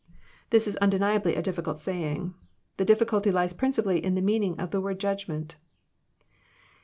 '] This is undeniably a difficult saying. The difficulty lies principally in the meaning of the word Judgment."